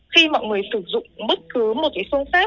khi mọi người sử dụng bất cứ một cái phương pháp